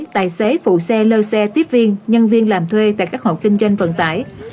tài xế phụ xe lơ xe tiếp viên nhân viên làm thuê tại các hộ kinh doanh vận tải